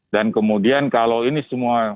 dan kemudian kalau ini semua